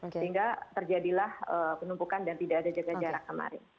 sehingga terjadilah penumpukan dan tidak ada jaga jarak kemarin